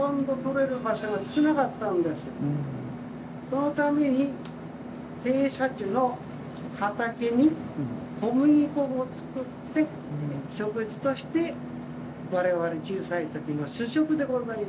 そのために傾斜地の畑に小麦粉を作って食事として我々小さい時の主食でございます。